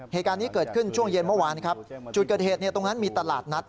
เหตุการณ์นี้เกิดขึ้นช่วงเย็นเมื่อวานครับจุดเกิดเหตุเนี่ยตรงนั้นมีตลาดนัด